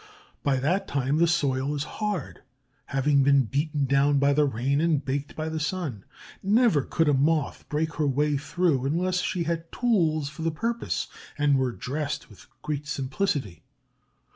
By that time the soil is hard, having been beaten down by the rain and baked by the sun. Never could a Moth break her way through unless she had tools for the purpose and were dressed with great simplicity.